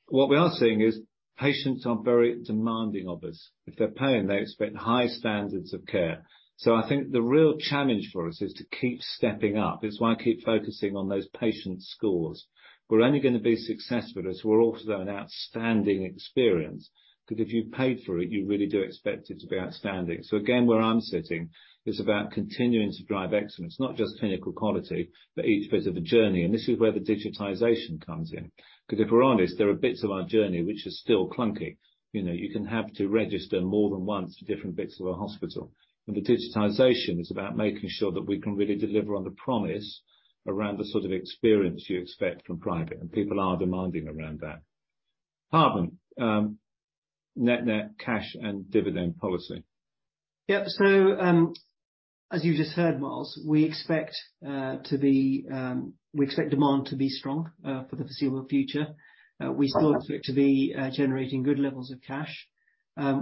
What we are seeing is patients are very demanding of us. If they're paying, they expect high standards of care. I think the real challenge for us is to keep stepping up. It's why I keep focusing on those patient scores. We're only gonna be successful if we offer them an outstanding experience, 'cause if you've paid for it, you really do expect it to be outstanding. Again, where I'm sitting, it's about continuing to drive excellence, not just clinical quality, but each bit of the journey, and this is where the digitization comes in. 'Cause if we're honest, there are bits of our journey which are still clunky. You know, you can have to register more than once for different bits of a hospital, and the digitization is about making sure that we can really deliver on the promise around the sort of experience you expect from private, and people are demanding around that. Harbant, net cash and dividend policy. Yep. As you just heard, Miles, we expect demand to be strong for the foreseeable future. We still expect to be generating good levels of cash.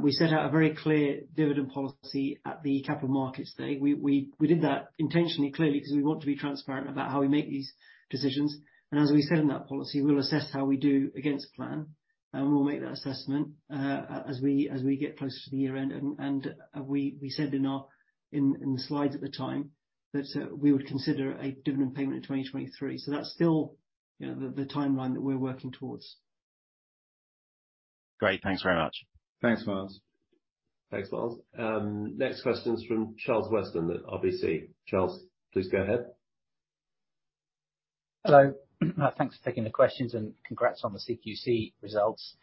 We set out a very clear dividend policy at the Capital Markets Day. We did that intentionally, clearly 'cause we want to be transparent about how we make these decisions. As we said in that policy, we'll assess how we do against plan, and we'll make that assessment as we get closer to the year-end. We said in the slides at the time that we would consider a dividend payment in 2023. That's still, you know, the timeline that we're working towards. Great. Thanks very much. Thanks, Miles. Thanks, Miles. Next question's from Charles Weston at RBC. Charles, please go ahead. Hello. Thanks for taking the questions and congrats on the CQC results.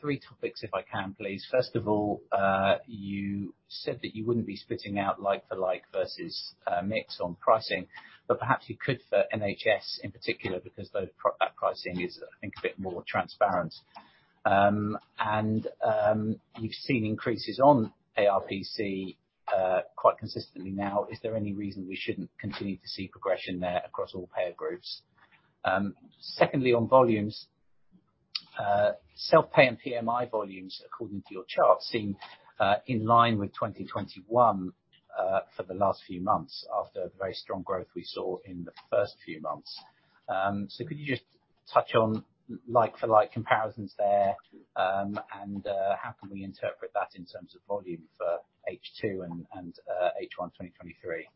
Three topics if I can, please. First of all, you said that you wouldn't be splitting out like for like versus mix on pricing, but perhaps you could for NHS in particular because that pricing is, I think, a bit more transparent. You've seen increases on ARPC quite consistently now. Is there any reason we shouldn't continue to see progression there across all payer groups? Secondly, on volumes, self-pay and PMI volumes, according to your chart, seem in line with 2021 for the last few months after the very strong growth we saw in the first few months. So could you just touch on like for like comparisons there, and how can we interpret that in terms of volume for H2 and H1 2023?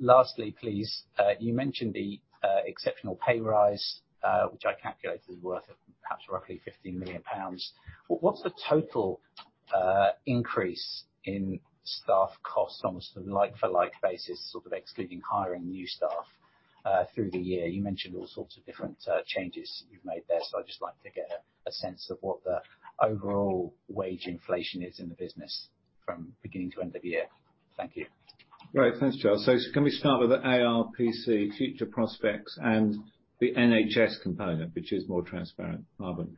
Lastly, please, you mentioned the exceptional pay rise, which I calculated is worth perhaps roughly 15 million pounds. What's the total increase in staff costs on a sort of like for like basis, sort of excluding hiring new staff through the year? You mentioned all sorts of different changes you've made there, so I'd just like to get a sense of what the overall wage inflation is in the business from beginning to end of year. Thank you. Great. Thanks, Charles. Can we start with the ARPC future prospects and the NHS component, which is more transparent, Harbant?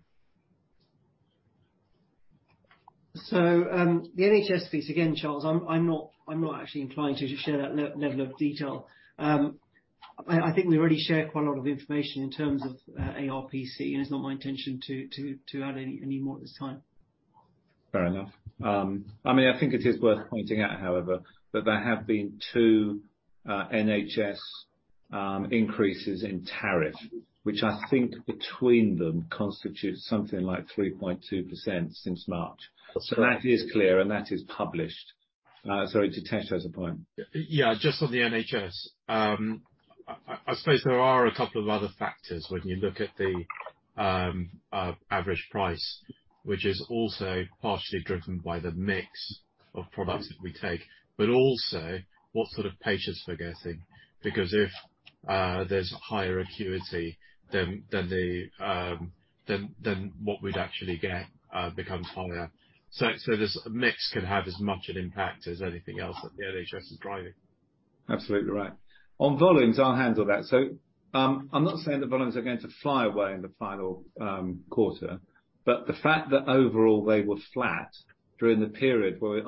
The NHS piece, again, Charles, I'm not actually inclined to share that level of detail. I think we already share quite a lot of information in terms of ARPC, and it's not my intention to add any more at this time. Fair enough. I mean, I think it is worth pointing out, however, that there have been two NHS increases in tariff, which I think between them constitutes something like 3.2% since March. That is clear, and that is published. Sorry, Jitesh has a point. Yeah, just on the NHS. I suppose there are a couple of other factors when you look at the average price, which is also partially driven by the mix of products that we take, but also what sort of patients we're getting, because if there's higher acuity, then what we'd actually get becomes higher. This mix can have as much an impact as anything else that the NHS is driving. Absolutely right. On volumes, I'll handle that. I'm not saying the volumes are going to fly away in the final quarter, but the fact that overall they were flat during the period where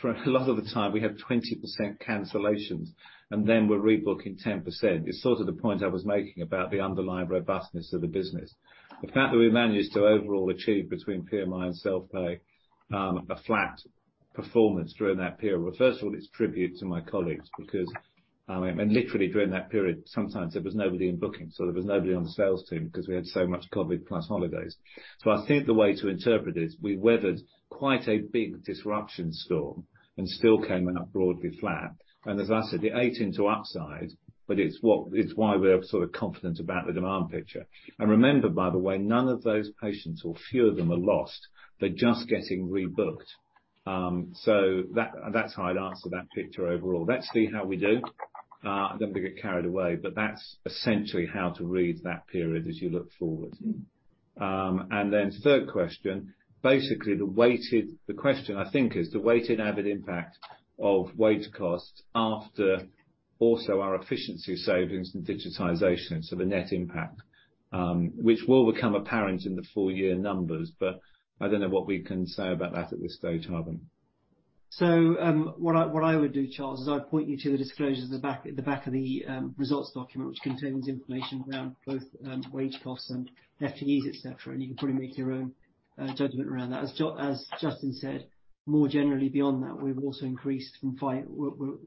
for a lot of the time we have 20% cancellations and then we're rebooking 10% is sort of the point I was making about the underlying robustness of the business. The fact that we managed to overall achieve between PMI and self-pay a flat performance during that period. Well, first of all, it's a tribute to my colleagues because, I mean, literally during that period, sometimes there was nobody in booking, so there was nobody on the sales team because we had so much COVID plus holidays. I think the way to interpret it is we weathered quite a big disruption storm and still came in at broadly flat. As I said, it ate into upside, but it's why we're sort of confident about the demand picture. Remember, by the way, none of those patients or few of them are lost. They're just getting rebooked. That's how I'd answer that picture overall. Let's see how we do. Don't want to get carried away, but that's essentially how to read that period as you look forward. Third question, basically the question I think is the weighted average impact of wage costs after also our efficiency savings and digitization. So the net impact, which will become apparent in the full year numbers. But I don't know what we can say about that at this stage, Harbant. What I would do, Charles, is I'd point you to the disclosures at the back of the results document, which contains information around both wage costs and FTEs, et cetera. You can probably make your own judgment around that. As Justin said, more generally beyond that, we're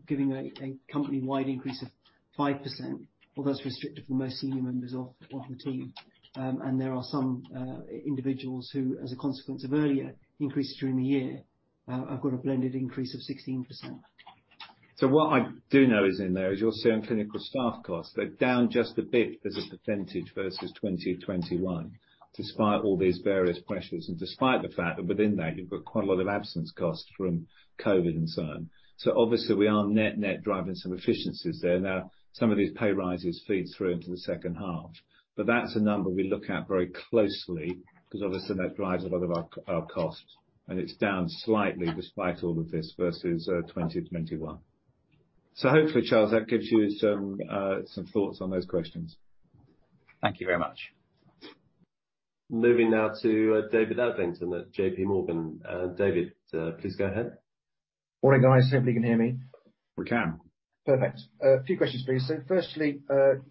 giving a company-wide increase of 5%, although it's restricted for the most senior members of the team. There are some individuals who, as a consequence of earlier increases during the year, have got a blended increase of 16%. What I do know is in there is you'll see on clinical staff costs, they're down just a bit as a percentage versus 2021, despite all these various pressures and despite the fact that within that you've got quite a lot of absence costs from COVID and so on. Obviously we are net net driving some efficiencies there. Now, some of these pay rises feed through into the second half. That's a number we look at very closely because obviously that drives a lot of our costs, and it's down slightly despite all of this versus 2021. Hopefully, Charles, that gives you some thoughts on those questions. Thank you very much. Moving now to David Adlington at JPMorgan. David, please go ahead. Morning, guys. Hopefully you can hear me. We can. Perfect. A few questions, please. Firstly,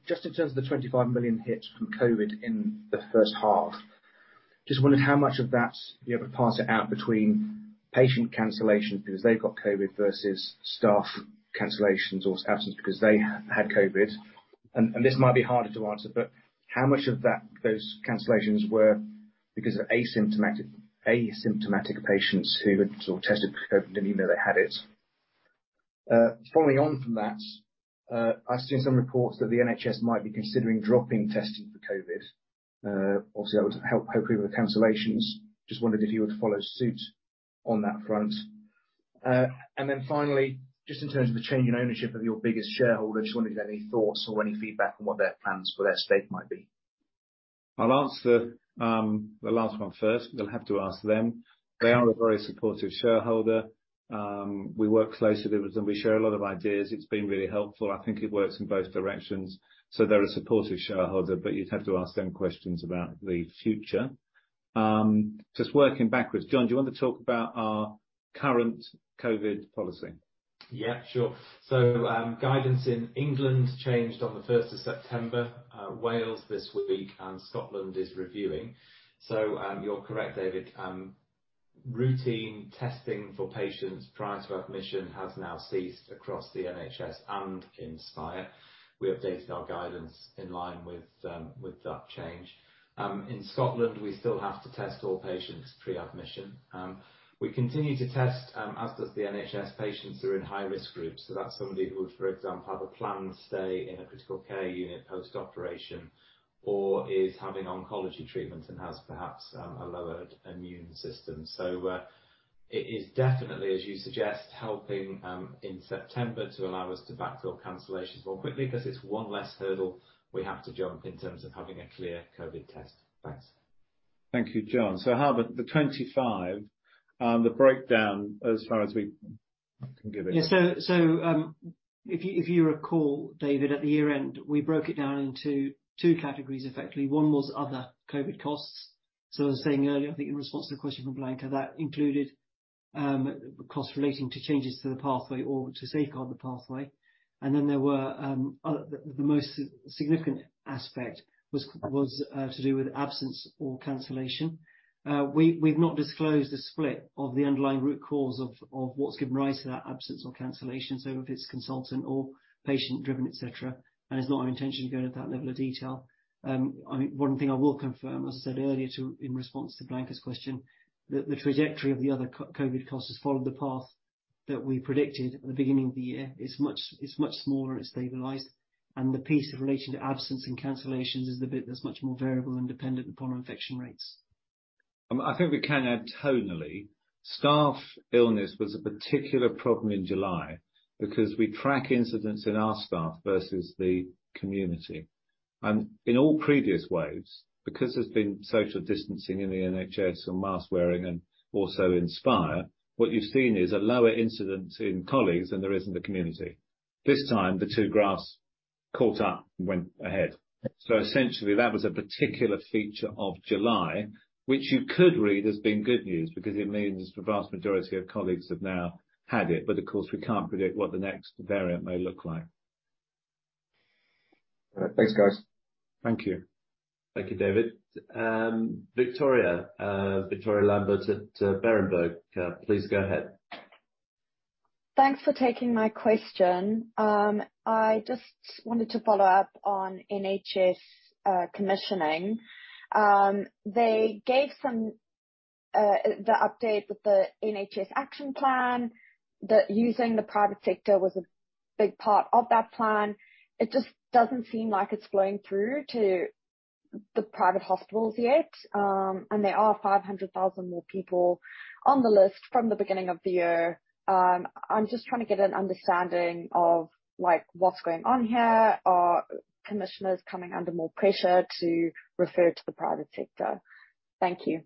just in terms of the 25 million hit from COVID in the first half, just wondered how much of that, you know, to parse it out between patient cancellations because they've got COVID versus staff cancellations or absence because they had COVID. This might be harder to answer, but how much of those cancellations were because of asymptomatic patients who had sort of tested positive, didn't even know they had it. Following on from that, I've seen some reports that the NHS might be considering dropping testing for COVID. Obviously that would help hopefully with the cancellations. Just wondered if you would follow suit on that front. Finally, just in terms of the change in ownership of your biggest shareholder, just wondering if you had any thoughts or any feedback on what their plans for their stake might be? I'll answer, the last one first. You'll have to ask them. They are a very supportive shareholder. We work closely with them. We share a lot of ideas. It's been really helpful. I think it works in both directions. They're a supportive shareholder, but you'd have to ask them questions about the future. Just working backwards. John, do you want to talk about our current COVID policy? Yeah, sure. Guidance in England changed on the first of September, Wales this week, and Scotland is reviewing. You're correct, David. Routine testing for patients prior to admission has now ceased across the NHS and Spire. We updated our guidance in line with that change. In Scotland, we still have to test all patients pre-admission. We continue to test, as does the NHS, patients who are in high-risk groups. That's somebody who would, for example, have a planned stay in a critical care unit post-operation or is having oncology treatment and has perhaps a lowered immune system. It is definitely, as you suggest, helping in September to allow us to backfill cancellations more quickly because it's one less hurdle we have to jump in terms of having a clear COVID test. Thanks. Thank you, John. Harbant, the 25 million, the breakdown as far as we can give it. Yeah. If you recall, David, at the year-end, we broke it down into two categories, effectively. One was other COVID costs. As I was saying earlier, I think in response to a question from Blanka, that included costs relating to changes to the pathway or to safeguard the pathway. And then there were other, the most significant aspect was to do with absence or cancellation. We’ve not disclosed a split of the underlying root cause of what’s given rise to that absence or cancellation. If it’s consultant or patient driven, et cetera. It’s not our intention to go into that level of detail. I mean, one thing I will confirm, as I said earlier in response to Blanka's question, that the trajectory of the other non-COVID costs has followed the path that we predicted at the beginning of the year. It's much smaller, it's stabilized, and the piece in relation to absence and cancellations is the bit that's much more variable and dependent upon infection rates. I think we can add tonally, staff illness was a particular problem in July because we track incidents in our staff versus the community. In all previous waves, because there's been social distancing in the NHS and mask wearing and also in Spire, what you've seen is a lower incidence in colleagues than there is in the community. This time, the two graphs caught up and went ahead. Essentially that was a particular feature of July, which you could read as being good news because it means the vast majority of colleagues have now had it. Of course, we can't predict what the next variant may look like. All right. Thanks, guys. Thank you. Thank you, David. Victoria Lambert at Berenberg, please go ahead. Thanks for taking my question. I just wanted to follow up on NHS commissioning. They gave the update with the NHS action plan, that using the private sector was a big part of that plan. It just doesn't seem like it's flowing through to the private hospitals yet. There are 500,000 more people on the list from the beginning of the year. I'm just trying to get an understanding of, like, what's going on here. Are commissioners coming under more pressure to refer to the private sector? Thank you.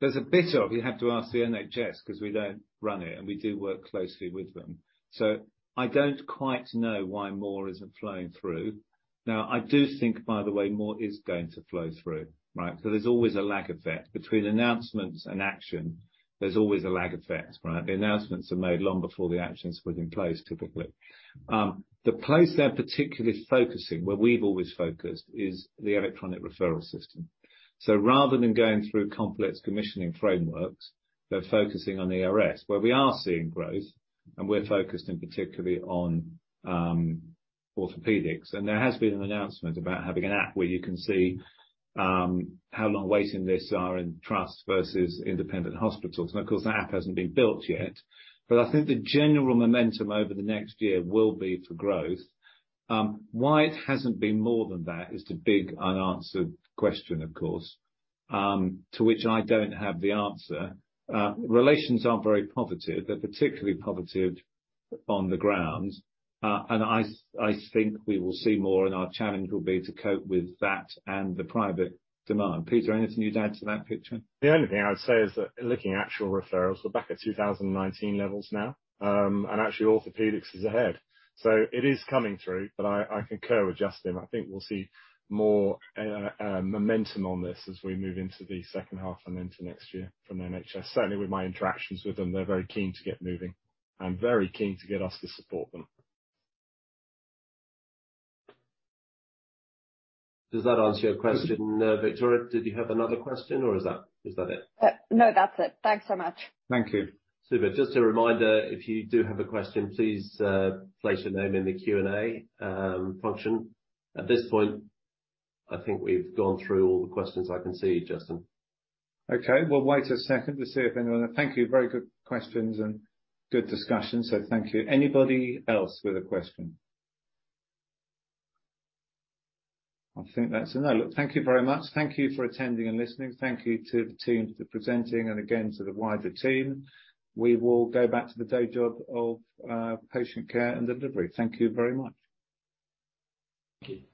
There's a bit of, you have to ask the NHS because we don't run it, and we do work closely with them. I don't quite know why more isn't flowing through. Now, I do think, by the way, more is going to flow through, right? There's always a lag effect. Between announcements and action, there's always a lag effect, right? The announcements are made long before the action's put in place, typically. The place they're particularly focusing, where we've always focused is the electronic referral system. Rather than going through complex commissioning frameworks, they're focusing on ERS, where we are seeing growth, and we're focused in particularly on orthopedics. There has been an announcement about having an app where you can see how long waiting lists are in trusts versus independent hospitals. Now, of course, the app hasn't been built yet, but I think the general momentum over the next year will be for growth. Why it hasn't been more than that is the big unanswered question, of course, to which I don't have the answer. Relations are very positive. They're particularly positive on the ground. I think we will see more, and our challenge will be to cope with that and the private demand. Peter, anything you'd add to that picture? The only thing I'd say is that looking at actual referrals, we're back at 2019 levels now, and actually orthopedics is ahead. It is coming through, but I concur with Justin. I think we'll see more momentum on this as we move into the second half and into next year from NHS. Certainly, with my interactions with them, they're very keen to get moving and very keen to get us to support them. Does that answer your question, Victoria? Did you have another question or is that it? No, that's it. Thanks so much. Thank you. Super. Just a reminder, if you do have a question, please, place your name in the Q&A function. At this point, I think we've gone through all the questions I can see, Justin. Okay. We'll wait a second to see if anyone. Thank you. Very good questions and good discussion. Thank you. Anybody else with a question? I think that's a no. Look, thank you very much. Thank you for attending and listening. Thank you to the team for presenting and again to the wider team. We will go back to the day job of patient care and delivery. Thank you very much. Thank you.